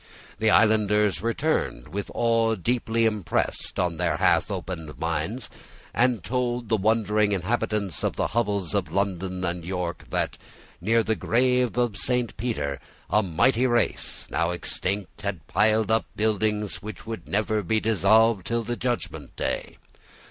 The islanders returned, with awe deeply impressed on their half opened minds, and told the wondering inhabitants of the hovels of London and York that, near the grave of Saint Peter, a mighty race, now extinct, had piled up buildings which would never be dissolved till the judgment day.